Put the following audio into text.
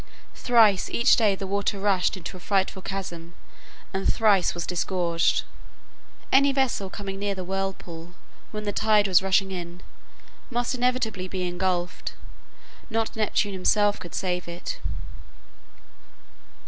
Thrice each day the water rushed into a frightful chasm, and thrice was disgorged. Any vessel coming near the whirlpool when the tide was rushing in must inevitably be ingulfed; not Neptune himself could save it.